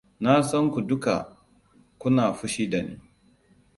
Na san ku duka kuna fushi da ni.